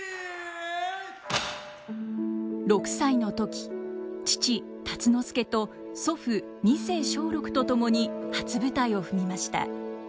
６歳の時父辰之助と祖父二世松緑と共に初舞台を踏みました。